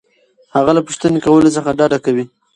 هغه له پوښتنې کولو څخه ډډه کوي.